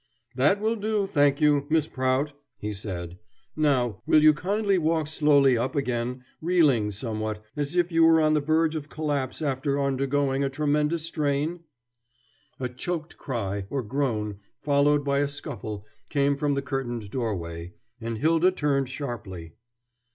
"That will do, thank you, Miss Prout," he said. "Now, will you kindly walk slowly up again, reeling somewhat, as if you were on the verge of collapse after undergoing a tremendous strain?" A choked cry, or groan, followed by a scuffle, came from the curtained doorway, and Hylda turned sharply.